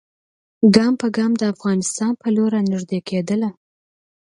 ګام په ګام د افغانستان پر لور را نیژدې کېدله.